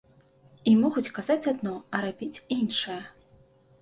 І могуць казаць адно, а рабіць іншае.